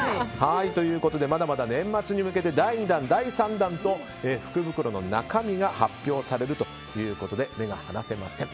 まだまだ年末に向けて第２弾、第３弾と福袋の中身が発表されるということで目が離せません。